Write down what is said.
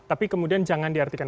tapi kemudian jangan diartikan